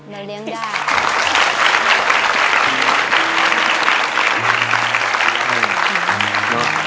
เราเลี้ยงได้